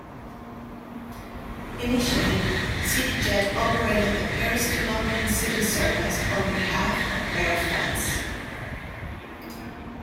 Initially, CityJet operated the Paris to London City service on behalf of Air France.